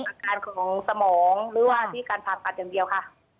ต้องแค่บอกอาการของสมองหรือว่าที่การผ่านปัดอย่างเดียวค่ะ